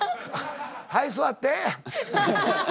はい座って。